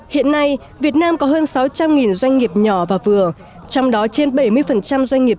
hiện nay việt nam có hơn sáu trăm linh doanh nghiệp nhỏ và vừa trong đó trên bảy mươi doanh nghiệp